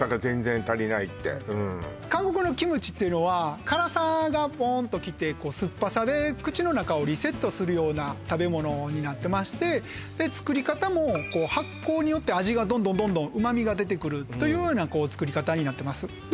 はい韓国のキムチっていうのは辛さがボーンときて酸っぱさで口の中をリセットするような食べ物になってまして作り方も発酵によって味がどんどんどんどん旨味が出てくるというような作り方になってます